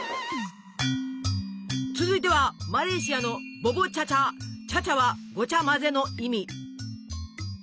続いてはマレーシアの「チャチャ」はごちゃ混ぜの意味。